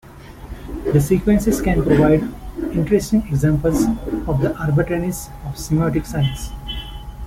The sequences can provide interesting examples of the arbitrariness of semiotic signs.